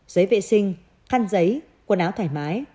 giấy vệ sinh khăn giấy quần áo thoải mái